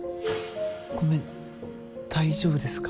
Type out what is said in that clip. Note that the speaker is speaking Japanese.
ごめん大丈夫ですか？